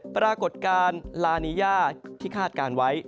ปรากฏการณ์ลานีย่าที่คาดการณ์ไว้